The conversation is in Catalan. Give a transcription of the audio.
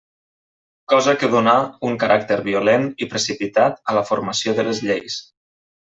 Cosa que donà un caràcter violent i precipitat a la formació de les lleis.